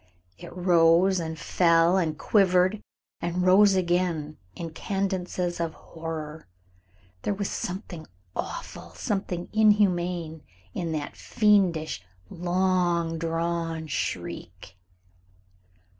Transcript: It rose and fell and quivered and rose again in cadences of horror. There was something awful, something inhuman, in that fiendish, long drawn shriek.